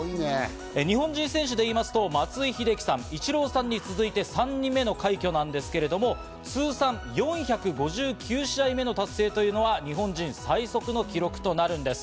日本人選手で言いますと、松井秀喜さん、イチローさんに続いて３人目の快挙なんですが、通算４５９試合目の達成というのは日本人最速の記録となるんです。